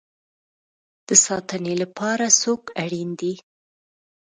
د ساتنې لپاره څوک اړین دی؟